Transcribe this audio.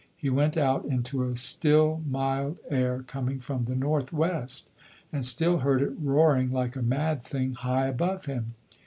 He went out into a still, mild air coming from the north west, and still heard it roaring like a mad thing high above him.